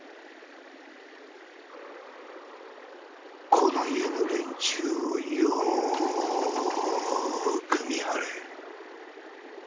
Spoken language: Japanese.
この家の連中をよく見張れ。